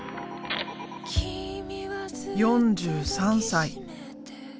４３歳。